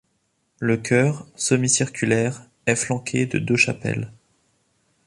Le chœur semi-circulaire est flanqué de deux chapelles.